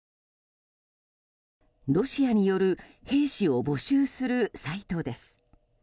ロシアによる兵士を募集するサイトです。